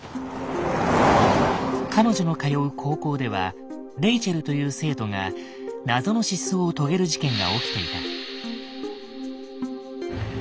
彼女の通う高校ではレイチェルという生徒が謎の失踪を遂げる事件が起きていた。